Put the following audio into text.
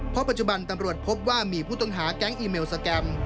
เพราะปัจจุบันตำรวจพบว่ามีผู้ต้องหาแก๊งอีเมลสแกรม